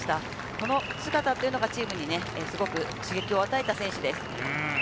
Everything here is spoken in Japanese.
この姿というのがチームに刺激を与えた選手です。